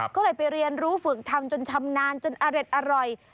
ก็เลยไปเรียนรู้ฝึกทำจนชำนาญจนอเร็ดอร่อย